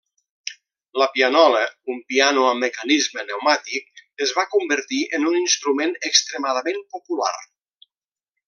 La pianola, un piano amb mecanisme pneumàtic, es va convertir en un instrument extremadament popular.